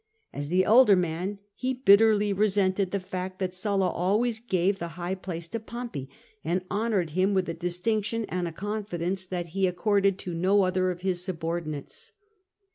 As the elder man, he bitterly resented the fact that Sulla always gave the higher place to Pompey, and honoured him with a distinction and a confidence that he accorded to no other of his subordinates.